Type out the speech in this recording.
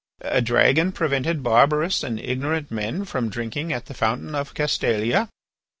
A dragon prevented barbarous and ignorant men from drinking at the fountain of Castalia.